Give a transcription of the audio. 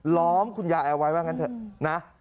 ล้อมคุณยาแอวไว้บ้างกันเถอะนะ